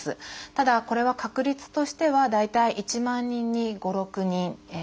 ただこれは確率としては大体１万人に５６人。